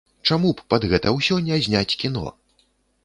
Чаму б пад гэта ўсё не зняць кіно?